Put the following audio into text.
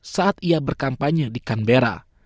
saat ia berkampanye di canberra